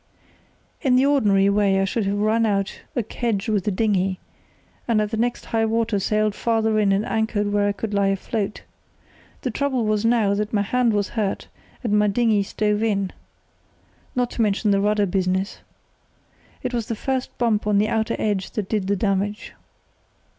"In the ordinary way I should have run out a kedge with the dinghy, and at the next high water sailed farther in and anchored where I could lie afloat. The trouble was now that my hand was hurt and my dinghy stove in, not to mention the rudder business. It was the first bump on the outer edge that did the damage.